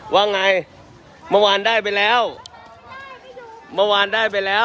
ว่าไงเมื่อวานได้ไปแล้วเมื่อวานได้ไปแล้ว